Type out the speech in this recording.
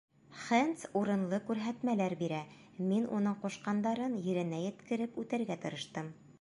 Хэндс урынлы күрһәтмәләр бирә, мин уның ҡушҡандарын еренә еткереп үтәргә тырыштым.